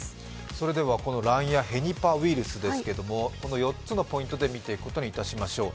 それでは、このランヤヘニパウイルスですけれども、この４つのポイントで見ていきましょう。